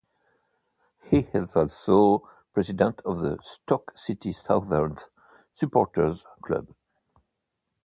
He is also president of the Stoke City Southern Supporters Club.